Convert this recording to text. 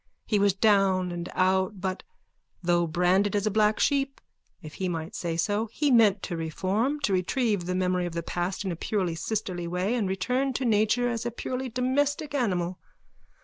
He was down and out but, though branded as a black sheep, if he might say so, he meant to reform, to retrieve the memory of the past in a purely sisterly way and return to nature as a purely domestic animal.